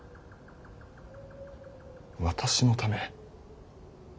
私のため。